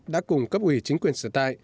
đã cùng cấp ủy chính quyền sở tại